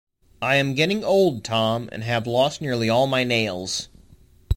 I am getting old, Tom, and have lost nearly all my nails.